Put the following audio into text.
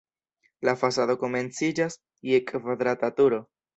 La fasado komenciĝas je kvadrata turo.